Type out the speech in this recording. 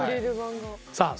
さあ